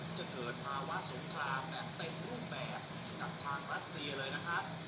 จะเกิดภาวะสงครามแบบเต็มรูปแบบกับทางรัสเซียเลยนะครับ